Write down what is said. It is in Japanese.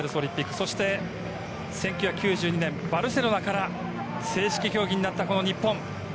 そして１９９２年バルセロナから正式競技になったこの日本。